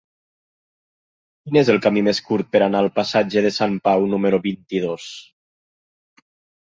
Quin és el camí més curt per anar al passatge de Sant Pau número vint-i-dos?